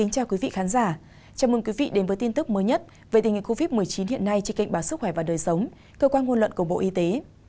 chào mừng quý vị đến với tin tức mới nhất về tình hình covid một mươi chín hiện nay trên kênh báo sức khỏe và đời sống cơ quan ngôn luận của bộ y tế